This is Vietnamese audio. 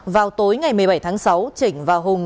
vào tối ngày một mươi bảy tháng sáu chỉnh và hùng